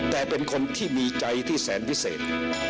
แต่เป็นคนที่มีใจที่แสนวิเศษ